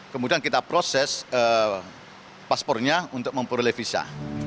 kemudian kita proses paspornya untuk memperoleh visa